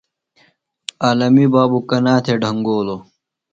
عالمی بابوۡ کنا تھےۡ ڈھنگولوۡ؟